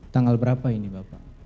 tanggal berapa ini bapak